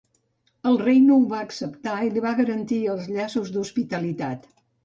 El rei no ho va acceptar i li va garantir els llaços d'hospitalitat.